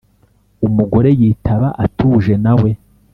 umugore yitaba atuje nawe